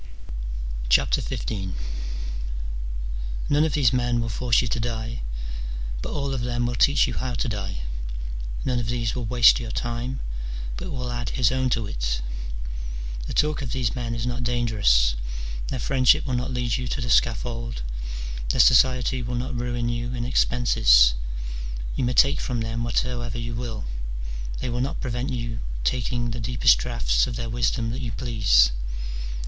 XV. None of these men will force you to die, but all of them will teach you how to die : none of these will waste your time, but will add his own to it. The talk of these men is not dangerous, their friendship will not lead you to the scaffold, their society will not ruin you in expenses : you may take from them whatsoever you will ; they will not prevent your taking the deepest draughts of their wisdom that you please.